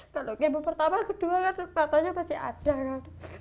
kalau kemo pertama kedua kan matanya masih ada kan